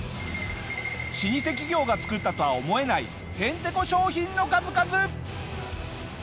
老舗企業が作ったとは思えないヘンテコ商品の数々！